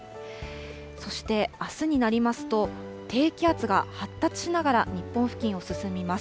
そしてあすになりますと、低気圧が発達しながら日本付近を進みます。